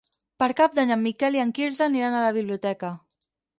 Per Cap d'Any en Miquel i en Quirze aniran a la biblioteca.